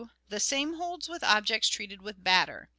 The same holds with objects treated with batter.